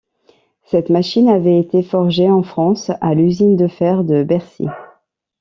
Cette machine avait été forgée en France à l’usine de fer de Bercy.